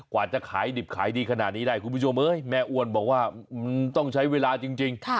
กว่าจะขายดิบขายดีขนาดนี้ได้คุณผู้ชมแม่อ้วนบอกว่ามันต้องใช้เวลาจริง